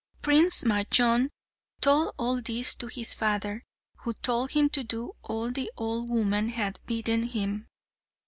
Prince Majnun told all this to his father, who told him to do all the old woman had bidden him.